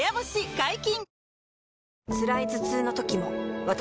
解禁‼